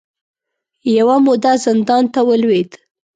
یوه موده زندان ته ولوېد